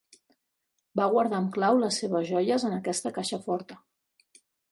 Va guardar amb clau les seves joies en aquesta caixa forta.